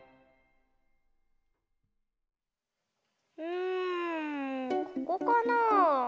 うんここかな？